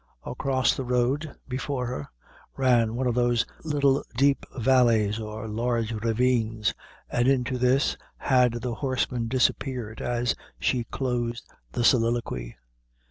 Across the road, before her, ran one of those little deep valleys, or large ravines, and into this had the horseman disappeared as she closed the soliloquy.